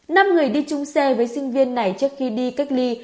năm người đi chung xe với sinh viên này trước khi đi cách ly